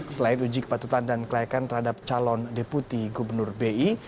selain uji kepatutan dan kelayakan terhadap calon deputi gubernur bi